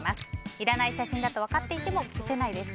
いらない写真だと分かっていても消せないです。